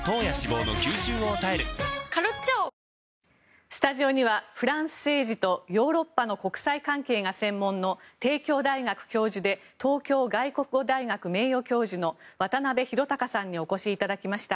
カロカロカロカロカロリミットスタジオにはフランス政治とヨーロッパの国際関係が専門の帝京大学教授で東京外国語大学名誉教授の渡邊啓貴さんにお越しいただきました。